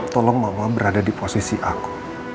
tolong mama berada di posisi aku